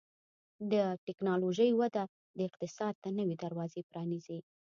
د ټکنالوژۍ وده اقتصاد ته نوي دروازې پرانیزي.